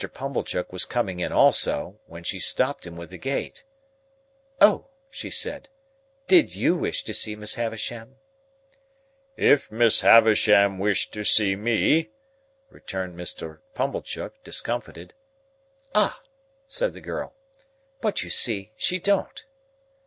Pumblechook was coming in also, when she stopped him with the gate. "Oh!" she said. "Did you wish to see Miss Havisham?" "If Miss Havisham wished to see me," returned Mr. Pumblechook, discomfited. "Ah!" said the girl; "but you see she don't."